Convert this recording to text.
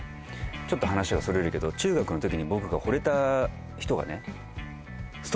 ちょっと話はそれるけど中学の時に僕がホレた人がね